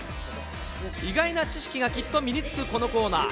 意外な知識がきっと身につく、このコーナー。